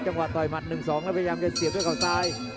จังหวะต่อยมัดหนึ่งสองแล้วพยายามจะเสียด้วยข่าวสาย